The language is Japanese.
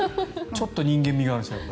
ちょっと人間味があるんです。